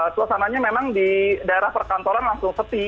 suasananya memang di daerah perkantoran langsung sepi